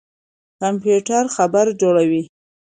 کمپيوټر خبر جوړوي.